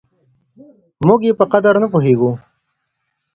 موږ يې په قدر نه پوهېږو.